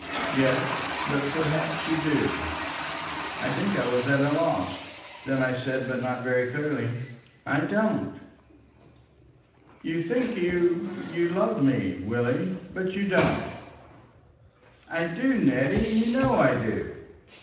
"Yes. But perhaps you do." I think I was at a loss; then I said, not very clearly, "I don't." "You think you—you love me, Willie. But you don't." "I do. Nettie! You know I do."